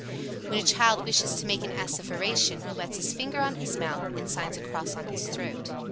When a child wishes to make an asseveration, he wets his finger on his mouth and signs a cross on his throat.